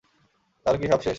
তাহলে কি সব শেষ?